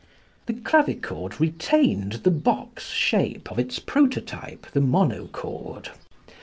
The clavichord retained the box shape of its prototype, the monochord.